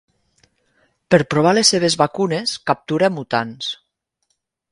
Per provar les seves vacunes, captura mutants.